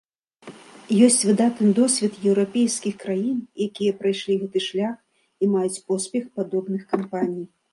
Ёсць выдатны досвед еўрапейскіх краін, якія прайшлі гэты шлях і маюць поспех падобных кампаній.